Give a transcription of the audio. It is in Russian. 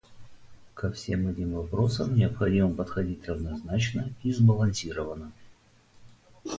Ко всем этим вопросам необходимо подходить равнозначно и сбалансированно.